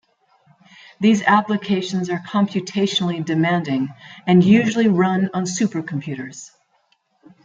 These applications are computationally demanding and usually run on supercomputers.